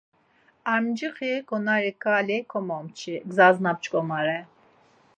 Ar mcixi ǩonari ǩvali komomçi, gzas na p̌ç̌ǩomare.